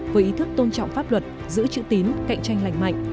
với ý thức tôn trọng pháp luật giữ chữ tín cạnh tranh lành mạnh